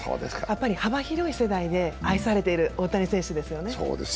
幅広い世代で愛されている大谷選手ですよね。